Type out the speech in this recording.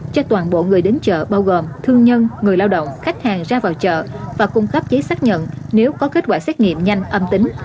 cho toàn bộ người đến chợ bao gồm thương nhân người lao động khách hàng ra vào chợ và cung cấp giấy xác nhận nếu có kết quả xét nghiệm nhanh âm tính